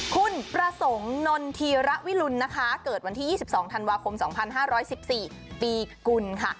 คุณประสงค์นนธีระวิรุณนะคะเกิดวันที่๒๒ธันวาคม๒๕๑๔ปีกุลค่ะ